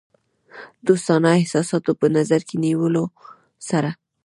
دوستانه احساساتو په نظر کې نیولو سره.